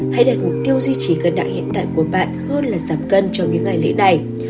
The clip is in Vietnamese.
hãy đặt mục tiêu duy trì cân đại hiện tại của bạn hơn là giảm cân trong những ngày lễ này